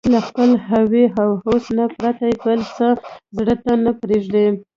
له خپل هوى او هوس نه پرته بل څه زړه ته نه پرېږدي